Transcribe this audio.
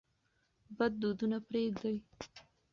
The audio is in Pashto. بد دودونه پرېږدئ.